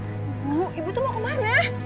ibu ibu tuh mau kemana